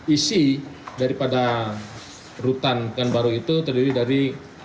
isi daripada rutan kan baru itu terdiri dari